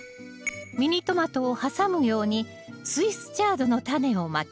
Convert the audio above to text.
ミニトマトを挟むようにスイスチャードのタネをまきます